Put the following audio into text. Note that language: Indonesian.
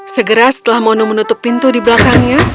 segera setelah mono menutup pintu di belakangnya